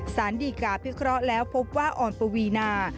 ศาลดีกาพิกระแล้วพบว่าออนปวีนา